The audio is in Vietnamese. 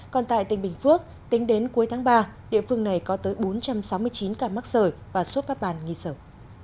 còn tại tình bình phước tính đến cuối tháng ba địa phương này có tới bốn trăm sáu mươi chín ca mắc sợi và xuất phát bàn nghi sợi